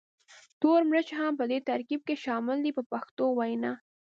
تور مرچ هم په دې ترکیب کې شامل دی په پښتو وینا.